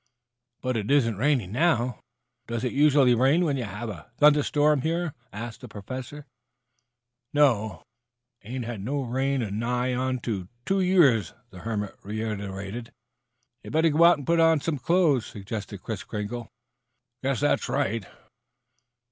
"But it isn't raining now. Doesn't it usually rain when you have a thunder storm here?" asked the Professor. "No. Ain't had no rain in nigh onto two year," the hermit reiterated. "You'd better go and put on some clothes," suggested Kris Kringle. "Guess that's right."